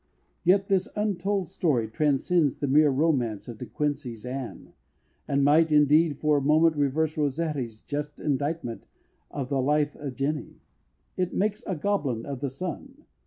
Yet this untold story transcends the mere romance of De Quincey's Ann, and might, indeed, for a moment, reverse Rossetti's just indictment of the life of "Jenny" "It makes a goblin of the sun."